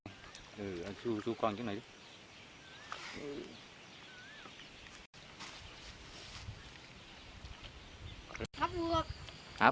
กลับมากินกองมันจำนากทุกคนละครับ